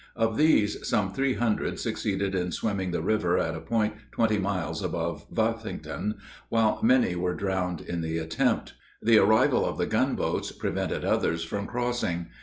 Of these some three hundred succeeded in swimming the river at a point twenty miles above Buffington, while many were drowned in the attempt. The arrival of the gunboats prevented others from crossing.